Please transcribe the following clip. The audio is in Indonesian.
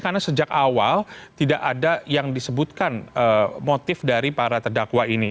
karena sejak awal tidak ada yang disebutkan motif dari para terdakwa ini